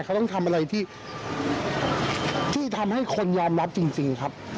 เขาต้องทำอะไรที่ทำให้คนยอมรับจริงครับ